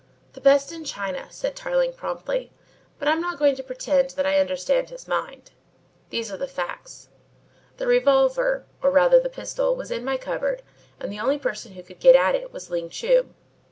"The best in China," said Tarling promptly, "but I'm not going to pretend that I understand his mind. These are the facts. The revolver, or rather the pistol, was in my cupboard and the only person who could get at it was Ling Chu.